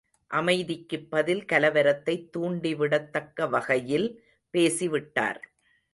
அமைதிக்குப் பதில் கலவரத்தைத் தூண்டிவிடத் தக்கவகையில் பேசிவிட்டார்!